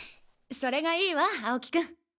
それがいいわ青木君。